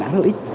đã rất là ít